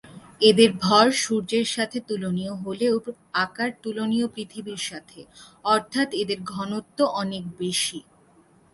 এদের ভর সূর্যের সাথে তুলনীয় হলেও আকার তুলনীয় পৃথিবীর সাথে, অর্থাৎ এদের ঘনত্ব অনেক বেশি।